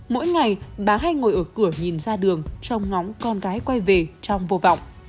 mỗi ngày bà hay ngồi ở cửa nhìn ra đường trong ngóng con gái quay về trong vô vọng